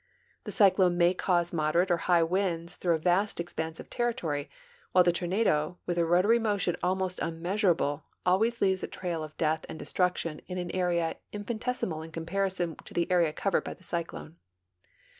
The cyclone may cause moderate or high winds through a vast expanse of territory, while the tornado, with a rotary motion almost unmeasurable, always leaves a trail of death and destruction in an area infini tesimal in comparison to the area covered by the cyclone.